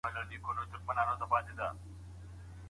پاک ذهن مثبت فکرونه تولیدوي.